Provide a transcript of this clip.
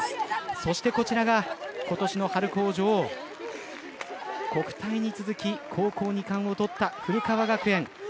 そしてこちらが今年の春高女王国体に続き高校２冠を取った古川学園。